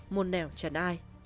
muôn nẻo chẳng ai